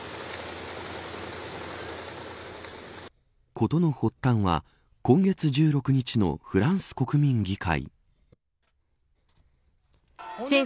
事の発端は、今月１６日のフランス国民議会。